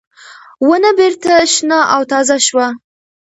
ونه بېرته شنه او تازه شوه.